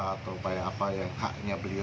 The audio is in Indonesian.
atau upaya apa yang haknya beliau